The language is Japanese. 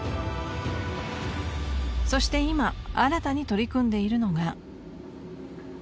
そして今新たに取り組んでいるのが。